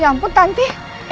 ya ampun tanti